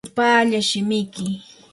upallaa shimiki.